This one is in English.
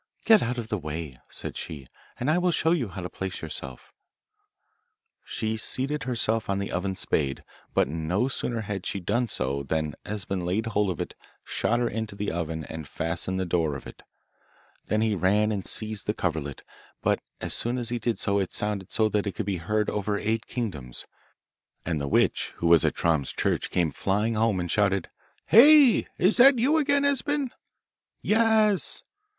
'Get out of the way,' said she, 'and I will show you how to place yourself.' She seated herself on the oven spade, but no sooner had she done so than Esben laid hold of it, shot her into the oven, and fastened the door of it. Then he ran and seized the coverlet, but as soon as he did so it sounded so that it could be heard over eight kingdoms, and the witch, who was at Troms Church, came flying home, and shouted, 'Hey! is that you again, Esben?' 'Ye e s!